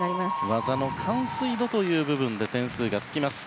技の完遂度という部分で点数が付きます。